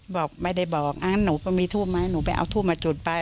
บอกไม่ได้บอกหนูก็มีทูบไหมหนูไปเอาทูบมาจุดไป